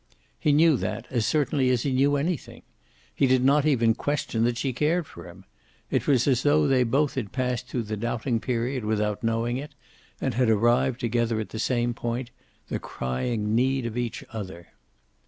He knew that, as certainly as he knew anything. He did not even question that she cared for him. It was as though they both had passed through the doubting period without knowing it, and had arrived together at the same point, the crying need of each other.